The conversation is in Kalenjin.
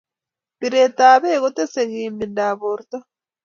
piretap pek kotesei kimindap porto